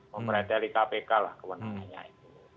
mempeteli kpk lah kewenangannya itu